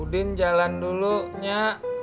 udin jalan dulu nyak